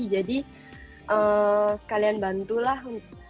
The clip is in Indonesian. jadi sekalian bantulah